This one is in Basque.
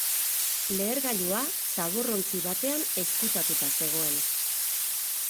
Lehergailua zabor-ontzi batean ezkutatuta zegoen.